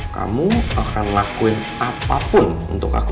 kamu akan lakuin apapun untuk aku